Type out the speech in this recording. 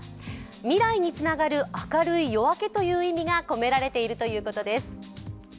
未来につながる明るい夜明けという意味が込められているということです。